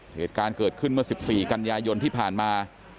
เหตุการณ์เกิดขึ้นเมื่อ๑๔กันยายนที่ผ่านมา